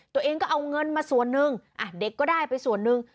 ตัวเองก็เอาเงินมาส่วนหนึ่งเด็กก็ได้ไปส่วนหนึ่ง